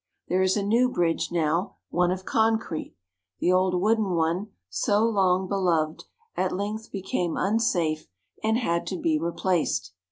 There is a new bridge now, one of concrete ; the old wooden one, so long beloved, at length became un safe and had to be replaced.